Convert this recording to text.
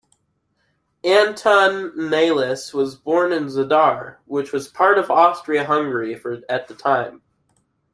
Antun Nalis was born in Zadar, which was part of Austria-Hungary at the time.